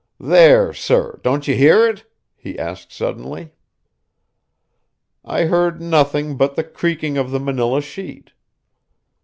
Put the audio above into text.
"There, sir, don't you hear it?" he asked suddenly. I heard nothing but the creaking of the manilla sheet.